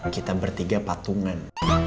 kita bertiga patungan